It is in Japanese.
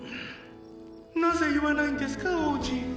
なぜ言わないんですか王子。